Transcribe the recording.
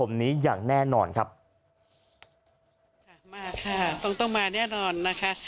มาค่ะต้องต้องมาแน่นอนนะคะ